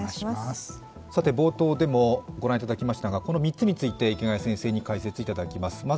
冒頭でも御覧いただきましたが、この３つについて池谷先生に解説いただきます。